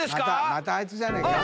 またあいつじゃねえか？